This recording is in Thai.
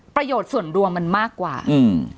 ประโยชน์ส่วนรวมมันมากกว่าอืม